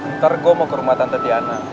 ntar gue mau ke rumah tante